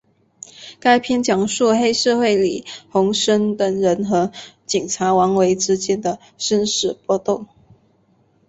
该片讲述黑社会李鸿声等人和警察王维之间的生死搏斗。